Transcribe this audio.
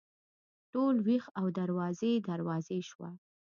ټول ویښ او دروازې، دروازې شوه